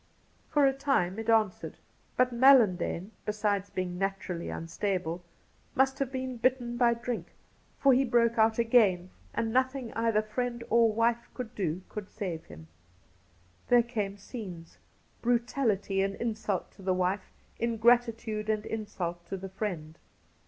For a time it answered, but MaUandane, besides being naturally unstable, must have been bitten by drink, for he broke out again, and nothing either wife or friend could do could save him. There came scenes — brutality and insult to the wife, ingratitude and insult to the friend.